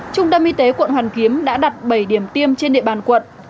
trung tâm y tế quận hoàn kiếm đã đặt bảy điểm tiêm trên địa bàn quận